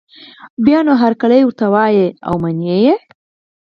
بیا نو هرکلی ورته وايي او مني یې